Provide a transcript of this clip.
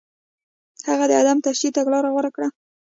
هغه د عدم تشدد تګلاره غوره کړه.